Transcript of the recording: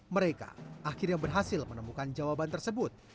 mereka akhirnya berhasil menemukan jawaban tersebut